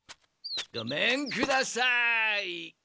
ごめんください。